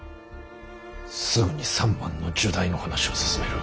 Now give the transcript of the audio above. すぐに三幡の入内の話を進める。